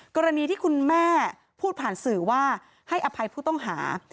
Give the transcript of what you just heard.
กรณีที่คุณแม่พูดผ่านสื่อว่าให้อภัยผู้ต้องหา